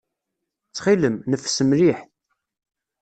Ttxil-m, neffes mliḥ.